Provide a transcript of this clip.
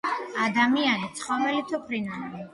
ადამიანი, ცხოველი თუ ფრინველი.